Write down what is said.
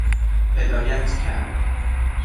هدایت کرد